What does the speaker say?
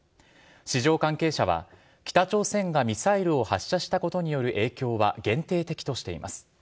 市場関係者は北朝鮮がミサイルを発射したことによる影響は限定的としています。